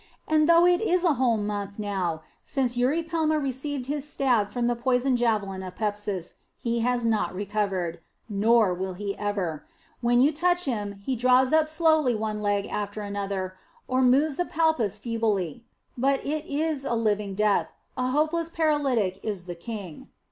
And though it is a whole month now since Eurypelma received his stab from the poisoned javelin of Pepsis, he has not recovered; nor will he ever. When you touch him, he draws up slowly one leg after another, or moves a palpus feebly. But it is living death; a hopeless paralytic is the king.